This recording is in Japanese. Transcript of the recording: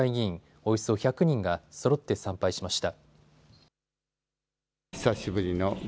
およそ１００人がそろって参拝しました。